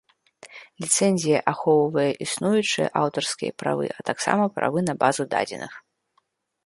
Ліцэнзія ахоўвае існуючыя аўтарскія правы, а таксама правы на базу дадзеных.